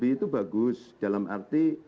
pak sby itu bagus dalam arti